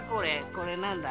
これなんだ？